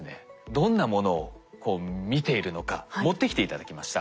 どんなものを見ているのか持ってきて頂きました。